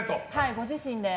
ご自身で。